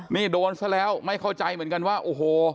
นี่โดนซะแล้วไม่เข้าใจเหมือนกันว่าโอ้โห